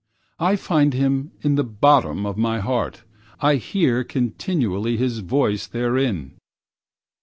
I find him in the bottom of my heart, I hear continually his voice therein.